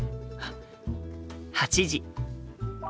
８時。